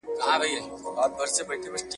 ما لیدلي دي کوهي د غمازانو !.